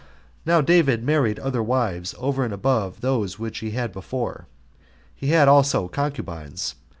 Now David married other wives over and above those which he had before: he had also concubines.